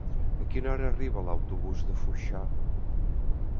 A quina hora arriba l'autobús de Foixà?